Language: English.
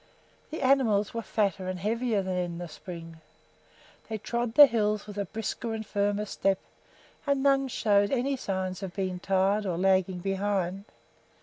The animals were fatter and heavier than in the spring; they trod the hills with a brisker and firmer step, and none showed any sign of being tired or lagging behind.